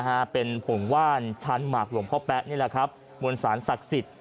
ฮะเป็นผงว่านชั้นหมากหลวงพ่อแป๊ะนี่แหละครับมวลสารศักดิ์สิทธิ์